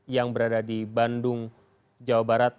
yang berada di bandung jawa barat